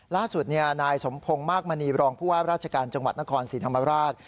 ล่าสุดนายสมพงศ์มากมณีรองผู้ว่าราชการจังหวัดนครศรีธรรมราช